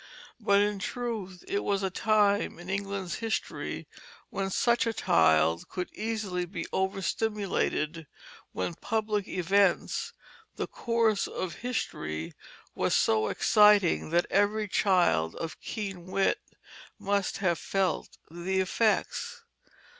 But in truth it was a time in England's history when such a child could easily be overstimulated, when public events, the course of history, was so exciting that every child of keen wit must have felt the effects.